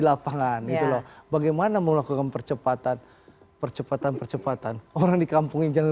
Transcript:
lapangan itu loh bagaimana melakukan percepatan percepatan percepatan orang di kampung yang